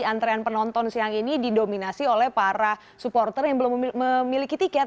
antrean penonton siang ini didominasi oleh para supporter yang belum memiliki tiket